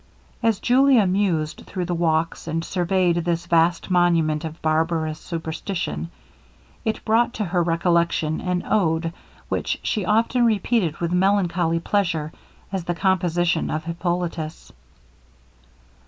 As Julia mused through the walks, and surveyed this vast monument of barbarous superstition, it brought to her recollection an ode which she often repeated with melancholy pleasure, as the composition of Hippolitus.